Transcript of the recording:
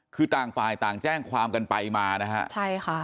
คือต่างฝ่ายต่างแจ้งความกันไปมานะฮะใช่ค่ะ